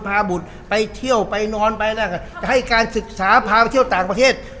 พาบุตรไปเที่ยวไปนอนไปแล้วจะให้การศึกษาพาไปเที่ยวต่างประเทศ